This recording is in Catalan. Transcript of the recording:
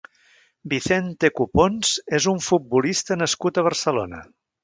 Vicente Cupóns és un futbolista nascut a Barcelona.